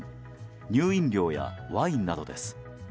乳飲料やワインなどです。